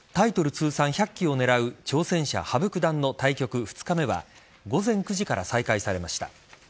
通算１００期を狙う挑戦者・羽生九段の対局２日目は午前９時から再開されました。